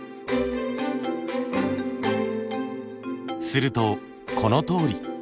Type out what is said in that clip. するとこのとおり。